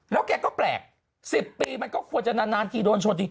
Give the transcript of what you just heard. แล้วแกก็แปลก๑๐ปีมันก็ควรจะนานทีโดนชนจริง